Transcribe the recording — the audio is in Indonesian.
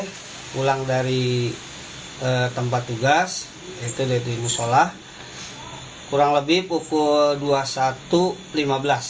saya pulang dari tempat tugas yaitu dari musola kurang lebih pukul dua puluh satu lima belas